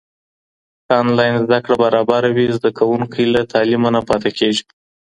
که انلاین زده کړه برابره وي، زده کوونکی له تعلیمه نه پاته کېږي.